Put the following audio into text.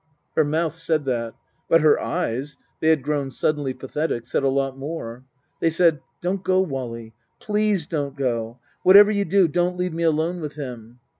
Her mouth said that. But her eyes they had grown suddenly pathetic said a lot more. They said :" Don't go, Wally, please don't go. Whatever you do, don't leave me alone with him."